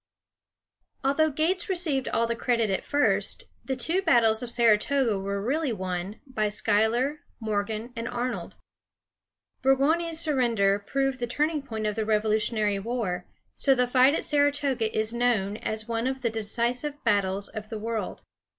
Although Gates received all the credit at first, the two battles of Saratoga were really won by Schuyler, Morgan, and Arnold. Burgoyne's surrender proved the turning point of the Revolutionary War, so the fight at Saratoga is known as one of the decisive battles of the world.